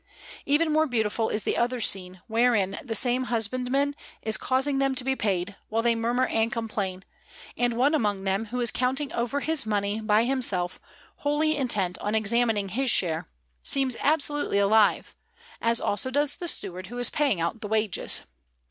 Even more beautiful is the other scene, wherein the same husbandman is causing them to be paid, while they murmur and complain, and one among them, who is counting over his money by himself, wholly intent on examining his share, seems absolutely alive, as also does the steward who is paying out the wages.